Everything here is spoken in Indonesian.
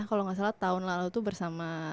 kalau gak salah tahun lalu tuh bersama